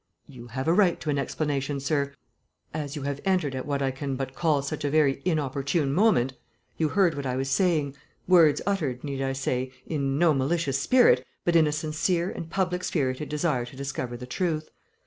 "You have a right to an explanation, sir. As you have entered at what I can but call such a very inopportune moment, you heard what I was saying words uttered, need I say, in no malicious spirit, but in a sincere and public spirited desire to discover the truth.